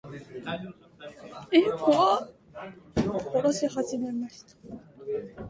兵隊たちはふるえ上って、王の命令通りにしはじめました。かれらは、家や穀物などを焼き、牛馬などを殺しはじめました。